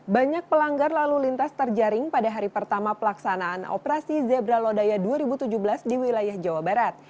banyak pelanggar lalu lintas terjaring pada hari pertama pelaksanaan operasi zebra lodaya dua ribu tujuh belas di wilayah jawa barat